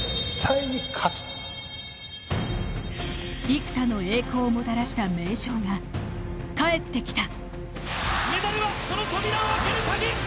幾多の栄光をもたらした名将が帰ってきた。